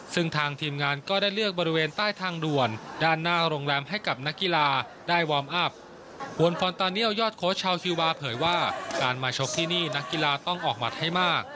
ซึ่งทางทีมงานก็ได้เลือกบริเวณใต้ทางด่วนด้านหน้าโรงแรมให้กับนักกีฬาได้วอร์มอัพวนฟอนตาเนียลยอดโค้ชชาวคิววาเผยว่าการมาชกที่นี่นักกีฬาต้องออกหมัดให้มาก